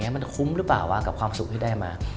มันคุ้มหรือเปล่าวะกับความสุขที่ได้มา